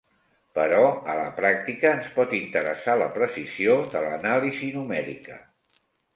Però, a la pràctica, ens pot interessar la precisió de l'Anàlisi numèrica.